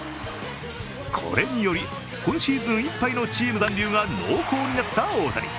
これにより今シーズンいっぱいのチーム残留が濃厚になった大谷。